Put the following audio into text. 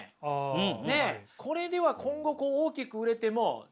うん。